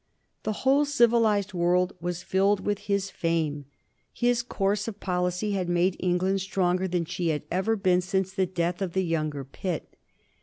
The whole civilized world was filled with his fame. His course of policy had made England stronger than she had ever been since the death of the younger Pitt.